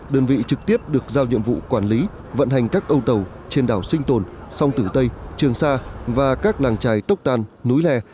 đơn vị trực tiếp được giao nhiệm vụ quản lý vận hành các ô tàu trên đảo sinh tồn sông tử tây trường sa và các làng trài tốc tan núi lè